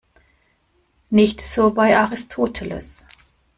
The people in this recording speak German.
Nicht so bei Aristoteles.